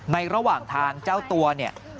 ระหว่างทางเจ้าตัวเนี่ย